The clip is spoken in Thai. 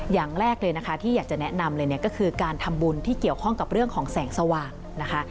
อย่างแรกเลยนะคะที่อยากจะแนะนำเลยเนี่ยก็คือการทำบุญที่เกี่ยวข้องกับเรื่องของแสงสว่างนะคะ